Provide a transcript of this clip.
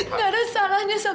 gak ada salahnya sama dia